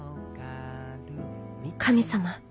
神様。